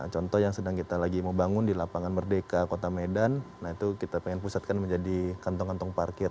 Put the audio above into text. contoh yang sedang kita lagi mau bangun di lapangan merdeka kota medan nah itu kita pengen pusatkan menjadi kantong kantong parkir